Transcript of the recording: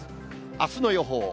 あすの予報。